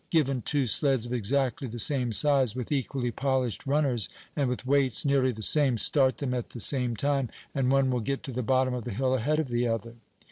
Given two sleds of exactly the same size, with equally polished runners, and with weights nearly the same, start them at the same time, and one will get to the bottom of the hill ahead of the other.